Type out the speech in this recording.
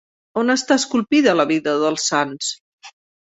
On està esculpida la vida dels Sants?